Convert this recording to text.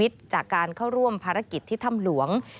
เสียชีวิตจากการเข้าร่วมภารกิจที่ท่ำหลวง